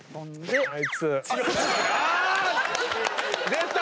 出た！